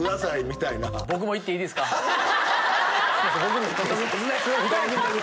僕も行っていいですか２人で。